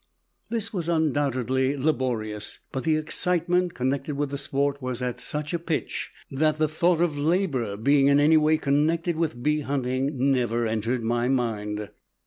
This was undoubtedly laborious, but the excitement connected with the sport was at such a pitch that the thought of labor being in any way connected with bee hunting never entered my mind.